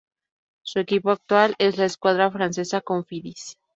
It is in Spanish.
Su equipo actual es la escuadra francesa Cofidis.